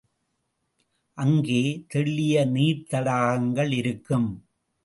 அங்கே தெள்ளிய நீர் தடாகங்கள் இருக்கும்.